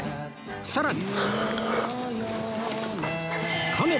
さらに